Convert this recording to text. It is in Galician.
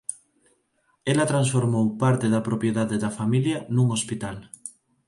Ela transformou parte da propiedade da familia nun hospital.